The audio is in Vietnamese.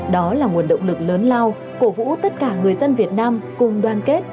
đó là nguồn động lực lớn lao cổ vũ tất cả người dân việt nam cùng đoàn kết